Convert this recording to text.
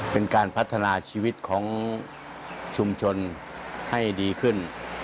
เป็นการพัฒนาชีวิตของชุมชนให้ดีขึ้น